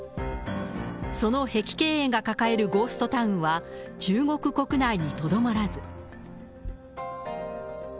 その碧桂園が抱えるゴーストタウンは、中国国内にとどまらず。